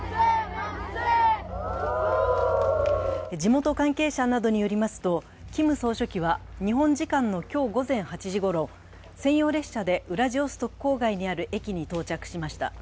地元関係者などによりますとキム総書記は日本時間の今日午前８時ごろ、専用列車でウラジオストク郊外にある駅に到着しました。